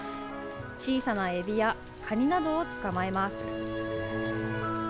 小さなエビやカニなどを捕まえます。